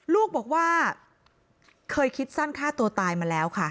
ลูกบอกว่าเคยคิดสั้นฆ่าตัวตายมาแล้วค่ะ